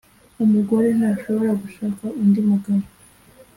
umugore ntashobora gushaka undi mugabo